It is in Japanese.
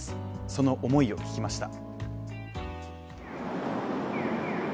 その思いを聞きました。